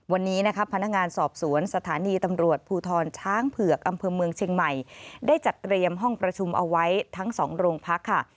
วันนี้นะครับพนักงานสอบสวนสถานีตำรวจภูทรช้างเผือกอำเภอเมืองเชียงใหม่ได้จัดเตรียมห้องประชุมเอาไว้ทั้งสองโรงพักค่ะ